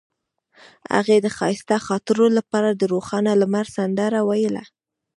هغې د ښایسته خاطرو لپاره د روښانه لمر سندره ویله.